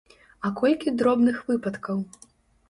А колькі дробных выпадкаў?